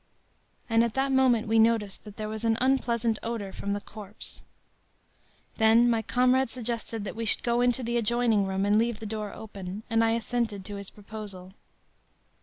“And at that moment we noticed that there was an unpleasant odor from the corpse. “Then, my comrade suggested that we should go into the adjoining room, and leave the door open; and I assented to his proposal.